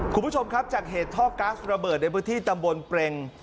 คุณผู้ชมครับจากเหตุท่อก๊าซระเบิดในพื้นที่ตำบลเปรง